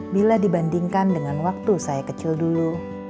bila dibandingkan dengan waktu saya kecil dulu